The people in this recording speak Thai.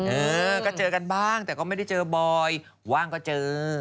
เออก็เจอกันบ้างแต่ก็ไม่ได้เจอบ่อยว่างก็เจอ